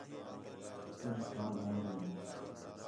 کُج تھاں بھنؤندِن